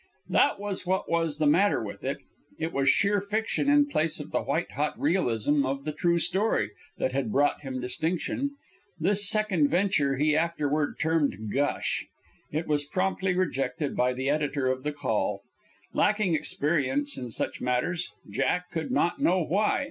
That was what was the matter with it: it was sheer fiction in place of the white hot realism of the "true story" that had brought him distinction. This second venture he afterward termed "gush." It was promptly rejected by the editor of the Call. Lacking experience in such matters, Jack could not know why.